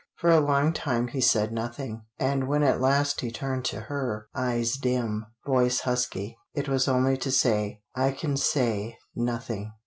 For a long time he said nothing, and when at last he turned to her, eyes dim, voice husky, it was only to say: "I can say nothing.